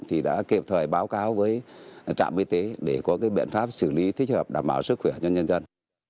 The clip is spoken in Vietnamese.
thì đã kịp thời báo cáo với trạm y tế để có cái biện pháp xử lý thích hợp đảm bảo sức khỏe cho nhân dân